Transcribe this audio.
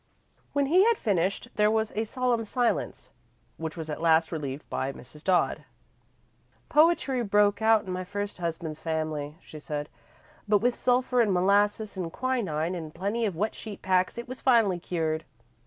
When he had finished, there was a solemn silence, which was at last relieved by Mrs. Dodd. "Poetry broke out in my first husband's family," she said, "but with sulphur an' molasses an' quinine an' plenty of wet sheet packs it was finally cured."